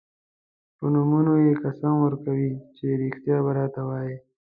په نومونو یې قسم ورکوي چې رښتیا به راته وايي.